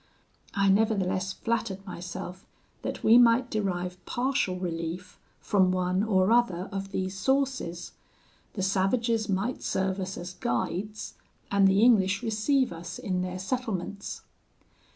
I nevertheless flattered myself that we might derive partial relief from one or other of these sources: the savages might serve us as guides, and the English receive us in their settlements.